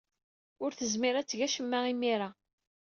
Ur tezmir ad teg acemma imir-a.